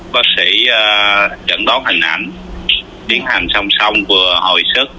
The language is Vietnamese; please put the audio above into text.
bác sĩ chẩn đoán hình ảnh tiến hành xong xong vừa hồi sức